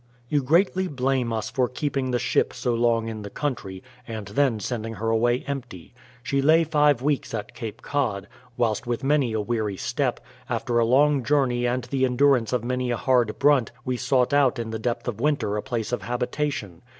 You greatly blame us for keeping the ship so long in the country, and then sending her away empty. She lay five weeks at Cape Cod, whilst with many a weary step, after a long journey and the en durance of many a hard brunt we sought out in the depth of winter a place of habitation.